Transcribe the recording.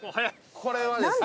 これはですね